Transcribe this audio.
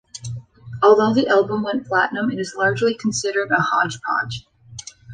Although the album went Platinum it is largely considered a hodgepodge.